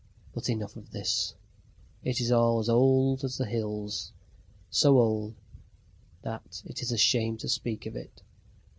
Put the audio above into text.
But enough of this. It is all as old as the hills so old that it is a shame to speak of it.